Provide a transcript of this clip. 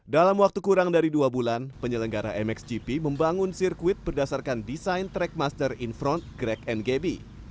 dalam waktu kurang dari dua bulan penyelenggara mxgp membangun sirkuit berdasarkan desain trackmaster in front greg ngb